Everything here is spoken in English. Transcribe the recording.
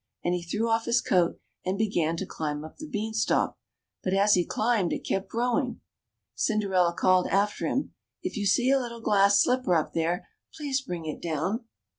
'' and he threw off his coat and began to climb up the beanstalk. But as he climbed it kept growing. Cinderella called after him, " If you see a little glass slipper up there, please bring it down."